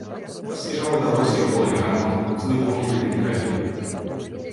Па снегавой дарозе коламі гармат глыбокія выбіты калюгі.